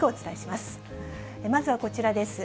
まずはこちらです。